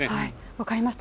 分かりました。